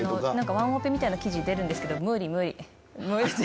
ワンオペみたいな記事出るんですけど。